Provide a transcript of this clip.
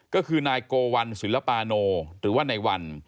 ก็คือนายโกวัลศิลปาโนหรือว่านายวัน